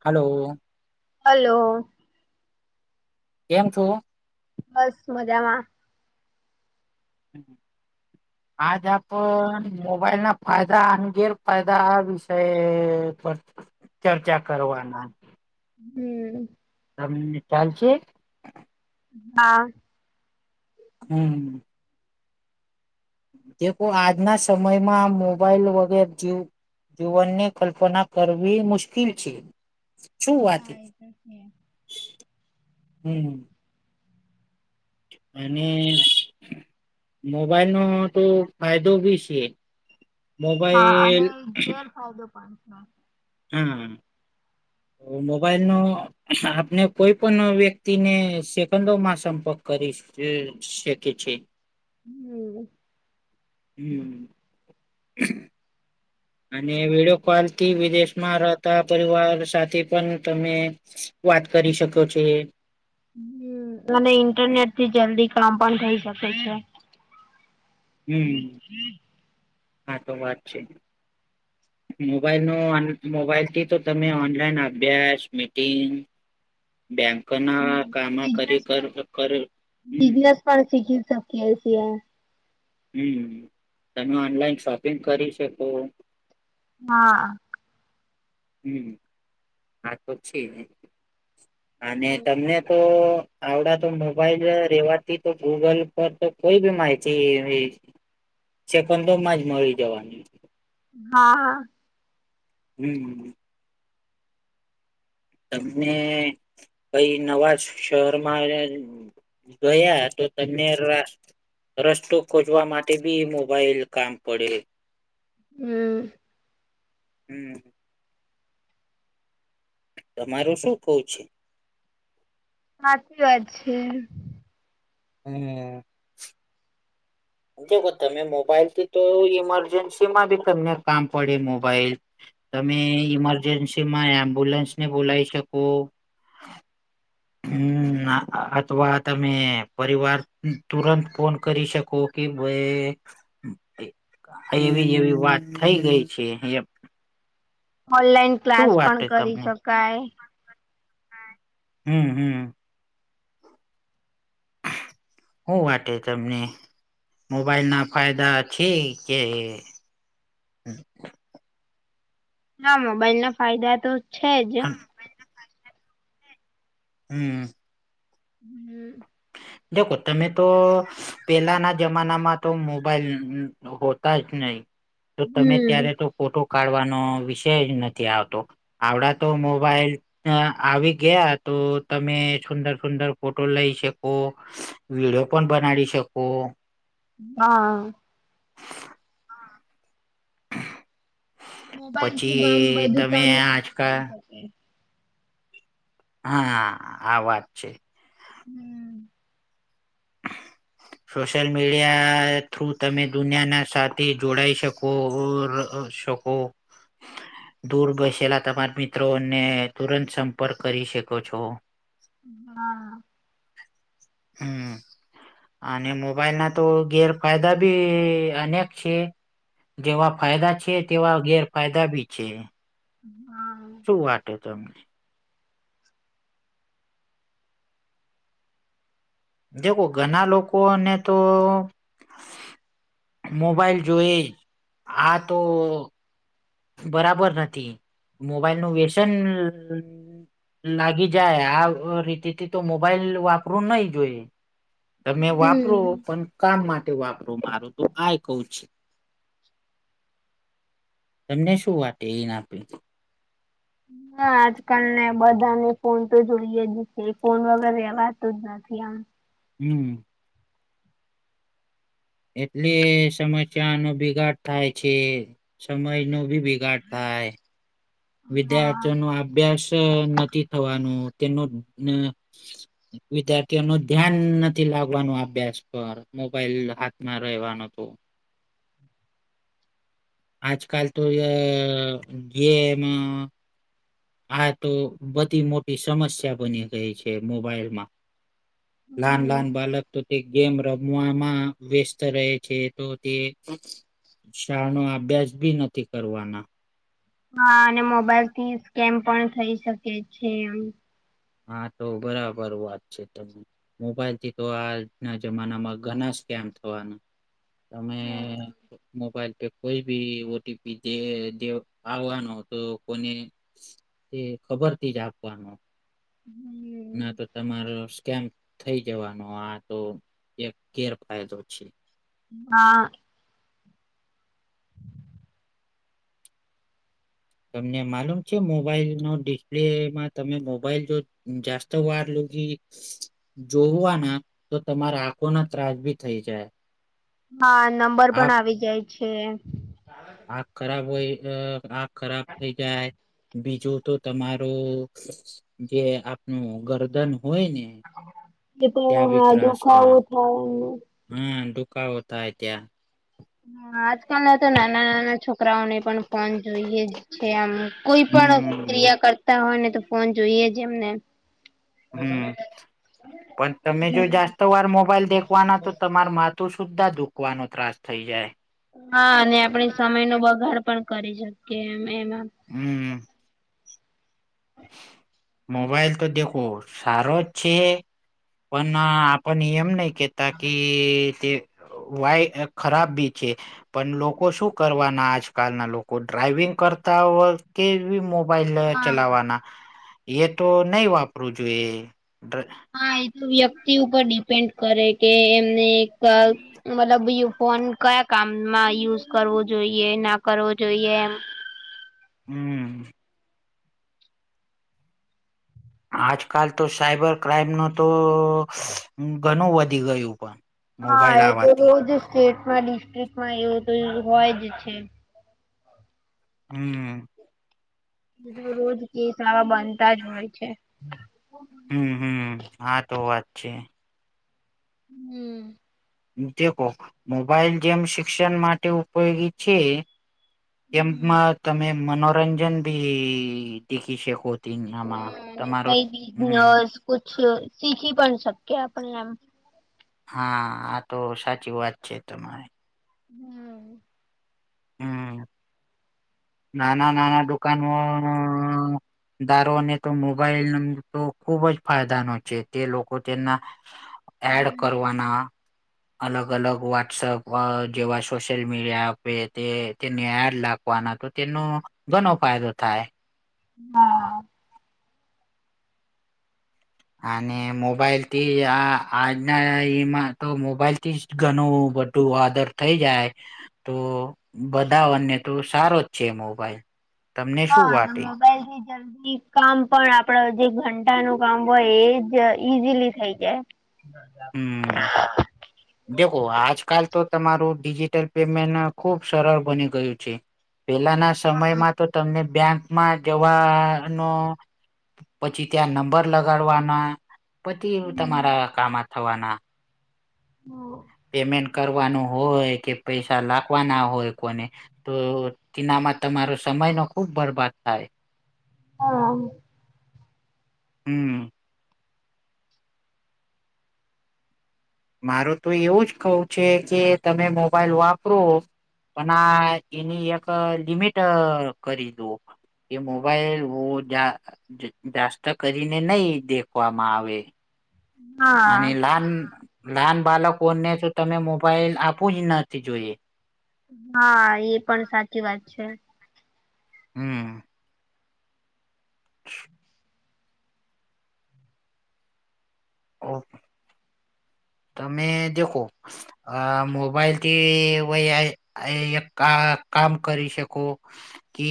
Hello. Hello. કેમ છો? બસ મજામાં. હમ [unintelligible] આજ આપણ મોબાઈલ ના ફાયદા અને ગેરફાયદા વિ ચર્ચા [inaudible] કરવાના. હમ તમ ચાલ છે હા હમ દ આજના સમયમાં મોબાઈલ વગેર જીવ જીવનની કલ્પના કરવી મુશ્કેલ છે. શું વાત હા એ તો છે. હમ [inaudible] અને મોબાઈલ નો તો ફાયદો બી છે મોબાઈલ હ તો પણં હા તો મોબાઈલ નો આપને કોઈ પણ વ્યક્તિને સેકન્ડોમાં સંપર્ક કરીશ હમ [unintelligible] શકે છે હમ હમ અને વિડીયો કોલ થી વિદેશમાં રહેતા પરિવાર સાથે પણ તમે વાત કરી શકો છે હમ અને ઇન્ટરનેટ થી જલ્દી કામ પણ થઇ શકે છે. હમ હા તો વાત છે. મોબાઈલ ન મોબાઈલ થી તો તમે ઓનલાઈન અભ્યાસ મીટિંગ બેંક ના કામ કરી બિઝનેસ કર કર હમ. પાડસી ગી સબકી એસી હૈ. હમ તમે ઓનલાઈન શોપિંગ કરી શકો. હા હમ હા તો છે અને તમને તો આવડા તો મોબાઈલ રેવાથી તો ગૂગલ પર તો કોઈ બી માહિતી સેંકડો માં જ મળી જવાની. હા હમ તમને કઈ નવા જ શહેરમાં ગયા તો તમે રા રસ્તો ખોજવા માટે બી મોબાઈલ કામ પડે. હમ હમ તમારું શું કવ છે સાચી વાત છે. હમ તમે મોબાઈલથી તો ઈમરજન્સી માં બી તમને કામ પડે મોબાઈલ તમે ઈમરજન્સી માં એમ્બ્યુલન્સ ને બોલાવી શકો હમ અથવા તમે પરિવાર તુરંત ફોન કરી શકો કે ભાઈ એવી એવી વાત થઈ ગઈ છે. ઓનલાઈન શું ક્લાસ પણ વાટે કરી તમને શકાય. હમ હમ શું વાટે તમને મોબાઈલ ના ફાયદા છે કે હમ હા મોબાઈલ ના ફાયદા તો છે જ હમ હમ હમ તમે તો પેલાના જમાનામાં તો મોબાઈલ હોતા જ નહી તો તમે ત્યારે હમ તો ફોટો કાઢવાનો વિષય જ નથી આવતો આવડા તો મોબાઈલ અ આવી ગયા તો તમે સુંદર સુંદર ફોટો લઈ શકો વિડયો પણ બનાવી શકો હા મોબાઈલ થી કામ પછી બધું તમે કામ ઈઝી આજકાલ કરીઈ શકે હા આ વાત છે હમ [inaudible] સોશિયલ મીડિયા થ્રુ તમે દુનિયાના સા જોડાઈ શકો શકો ઓ દૂર વસેલા તમારા મિત્રોને તુરંત સંપર્ક કરી શકો છો હા હમ અને મોબાઈલ ના તો ગેરફાયદા બી અનેક છે જેવા ફાયદા છે તેવા ગેરફાયદા બી છે હા શું વાટે ત તમને દેખો ઘણા લોકોને તો મોબાઈલ જોઈ આ તો બરાબર નથી મોબાઈલ નું વ્યસન લાગી જાય આ રીતે થી તો મોબાઈલ વાપરું નહી જોઈએ તમે વાપરો હમ. પણ કામ માટે વાપરો મારું તો આય કવ છે તમને શું વાે એ ના આપ હા આજકાલ ને બધાને ફોન તો જોઈએ જ છે ફોન વગર રેવાતો જ આમ હમ એટલે સમસ્યા નો બિગાડ થાય છે સમય નો બગાડ થાય હા. વિદ્યાર્થીઓ ન અભ્યાસ નથી થવાનો તેનું વિદ્યાર્થીઓ ન ધ્યાન નથી લાગવાનું અભ્યાસ પર મોબાઈલ હાથ માં રહેવાનું હતુ આજકાલ તો જે એમાં આ તો બધી મોટી સમસ્યા બની ગઈ છે મોબાઈલમાં લાન હમ લાન બાલક તો તે ગેમ રમવામાં વ્યસ્ત રહે છે તો તે શાળા નો અભ્યાસ ભી નથી કરવાના હા અને મોબાઈલ થી સ્કેમ પણ થઇ શકે છે એમ. હા તો બરાબર વાત છે તમ. મોબાઈલ થી તો આજના જમાનામાં ઘણા સ્ કેમ થવાના તમે મોબાઈલ પે કોઈ બી ઓટીપી દે આવવાનો તો કોને ખબરથી જ આપવાનો. હમ [inaudible] [inaudible] ના તો તમારો સ્કેમ થઈ જવાનો આ તો એક ગેરફાયદો છે હા તમને માલુમ છે મોબાઈલ નો ડિસ્પ્લેમાં તમે મોબાઈલ જો જાસ્ત વાર લો કે જોવાના તો તમારા આંખો ના ત્રાસ ભી થઈ જાય હા નંબર પણ આવી જાય છે આખ ખરાબ હોય આખ ખરાબ થઈ જાય. બીજું તો તમારું જે આપનું ગરદન હોય ને એ પણ ત્યાં એ બી હા ત્રાસ દુખાવો થાય એ. હા ડુકા હોતા હ ત્યાં હા આજકાલના તો નાના નાના છોકરાઓને પણ ફોન જોઈએ જ છે આમ. કોઈ પણ હમ ક્રિયા કરતા હોય ને તો ફોન જોઈએ જ એમને. હમ પણ તમે જો જા સવાર મોબાઈલ દેખવાના તો તમાર માથું સુ્ધા દુખવાનો ત્રાસ થઈ જાય.. હા અને આપણે સમય નો બગાડ પણ કરી શકીએ એમ એમાં હમ. મોબાઈલ તો દેખો સારો જ છે પણ આપણ નિયમ નહી કે તાકી તે વાય ખરાબ બી છે. પણ લોકો શું કરવાના આજકાલના લોકો ડ્રાઈવિંગ કરતા હોય કે મો મોબાઈલ હા ચલાવવાના એ તો નહી વાપરવું જોઈએ. હા એ તો વ્યક્તિ ઉપર ડડીપેન્ડ કરે કે એમને એક મતલબ ફોન કયા. કામમાં યુઝ કરવો જોઈએ ના કરવો જોઈએ એમ. હમ્મ. આજકાલ તો સાઈબર ક્રાઈમ નો તો [unintelligible] ઘણું વધી ગયું પણ હા મોબાઈલ એ તો આવવાથી એવુજ જ સ્ટેટ્સ માં ડિસ્ટ્રિકમાં એવું જ હોય જ છે. હું રોજ કિષા બનતા જ હોય છે. હું હું હા તો વાત છે. હમ જે કોક મોબાઈલ જેમ શિક્ષણ માટે ઉપયોગીછે. કેમ્પમાં હમ તમે મનોરંજન ભી દેખી શકો હા [unintelligible] અને તમારો કઈ હમ બિઝનેસ કુછ શીખી પણ શકયા આપણ એમ હા આતો સાચી વાત છે તમારે હમ હમ નાના નાના દુકાનો દારો મોબાઈલ તો ખુબ જ ફાયદાનો છે તે લોકો તેના એડ હમ કરવાના અલગ અલગ વોટ્સઅપ વ જેવા સોશિયલ મીડિયા આપે તે તેને આ લાખવાના. તેનો ઘણો ફાયદો થાય. હા આને મોબાઈલ તે આ આજના એમાં તો મોબાઈલથી જ ઘણું બધું આદત થઈ જાય. તો બધાઓને તો સારો જ છે મોબાઈલ તમને શું હા [unintelligible] [unintelligible] [unintelligible] જલ્દી કામ પણ આપડા જે ઘંટાનું કામ હોય એ જ ઈઝીલી થઈ જાય. હમ [inaudible] દેખો આજકાલ તો તમારું ડિજિટલ પેમેન્ટના ખુબ સરળ બની ગયું છે. પેલાના સમયમાં તો તમને બેંકમાં જવાઆનો- પછી ત્યાં નંબર લગાડવાના પતીવ તમારા કામા થવાના [unintelligible] પેમેન્ટ કરવાનું હોય કે પૈસા લાખવાના હોય કોને તો ઈનામાં તમારો સમય નો ખુબ બરબાદ થાય. હા હમ મારું તો એવું જ કવું છે કે તમે મોબાઈલ વાપરો પણ આ એની એક લિમિટ અ કરી દો એ મોબાઈલ [unintelligible] જાસ્ત કરીને નહી દેખવામાં આવે હા અને નાના નાના બાળકોને તો તમે મોબાઈલ આપોય નથી જોઈએ હા એ પણ સાચી વાત છે હમ [unintelligible] ઓકે તમે દેખો અ મોબાઈલથી એવો [unintelligible] કામ કામ કરી શકો કે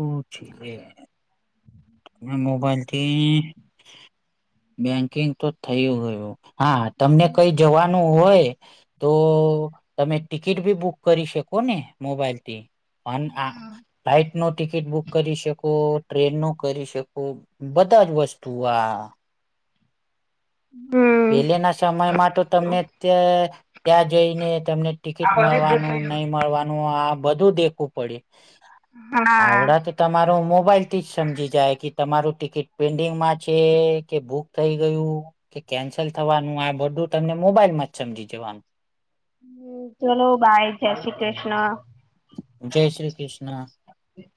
ઓ [unintelligible] મેં મોબાઈલથી બેંકિંગ તો થયું ગયું હા તમને કઈ જવાનું હોય તો તમે ટિકિટ બી બુક કરી શકો ને મોબાઈલથી. પણ આ ફ્લાઇટ નો ટિકિટ બુક કરી શકો ટ્રેન નો કરી શકો બધા જ વસ્તુ આ હમ પેલેના સમયમાં તો તમને તે ત્યાં જઈને તમને ટિકિટ મળવાનું નહી મળવાનું આ બધુ દેખવું પડી હા આવડા તો તમારું મોબાઈલથી જ સમજી જાય કે તમારું ટિકિટ પેન્ડિંગ માં છે કે બુક થઈ ગયું કે કેન્સલ થવાનું આ બધું તમને મોબાઈલ માં જ સમજી જવાનું હમ ચલો બાય જય શ્રી કૃષ્ણ જય શ્રી કૃષ્ણ હ